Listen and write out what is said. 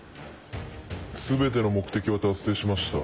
全ての目的は達成しました。